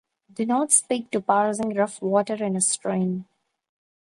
Do not speak to passing rough water in a stream.